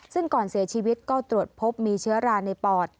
ซึ่งก่อนเสียชีวิตก็ตรวจพบมีเชื้อราในปอด